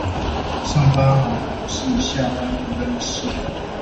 上班好同事，下班不認識